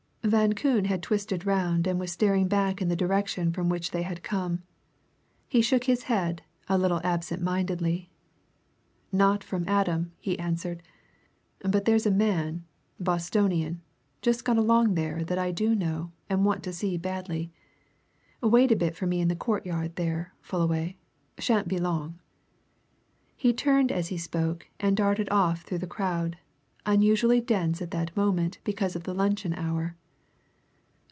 Van Koon had twisted round and was staring back in the direction from which they had come, he shook his head, a little absent mindedly. "Not from Adam," he answered, "but there's a man Bostonian just gone along there that I do know and want to see badly. Wait a bit for me in the courtyard there, Fullaway shan't be long." He turned as he spoke, and darted off through the crowd, unusually dense at that moment because of the luncheon hour.